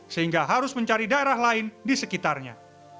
sehingga harus mencari daerah lain di sekitarnya